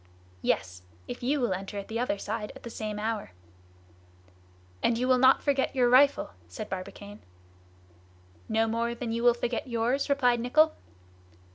"Yes! if you will enter at the other side at the same hour." "And you will not forget your rifle?" said Barbicane. "No more than you will forget yours?" replied Nicholl.